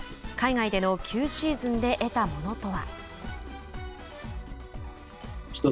海外での９シーズンで得たものとは。